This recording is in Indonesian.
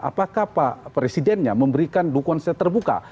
apakah pak presidennya memberikan dukungan secara terbuka